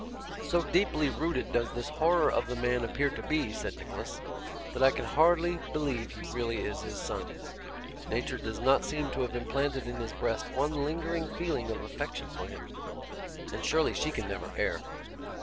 'So deeply rooted does this horror of the man appear to be,' said Nicholas, 'that I can hardly believe he really is his son. Nature does not seem to have implanted in his breast one lingering feeling of affection for him, and surely she can never err.